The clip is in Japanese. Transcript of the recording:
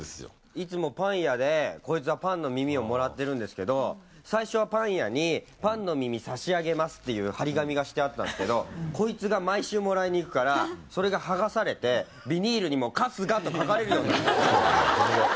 いつもパン屋で、こいつはパンの耳をもらってるんですけど、最初はパン屋に、パンの耳差し上げますっていう張り紙がしてあったんですけど、こいつが毎週もらいに行くから、それが剥がされて、ビニールにも春日って書かれるようになった。